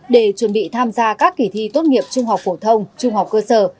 để chuẩn bị tham gia các kỳ thi tốt nghiệp trung học phổ thông trung học cơ sở